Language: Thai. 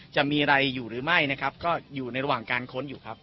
จะมีอะไรอยู่หรือไม่นะครับก็อยู่ในระหว่างการค้นอยู่ครับ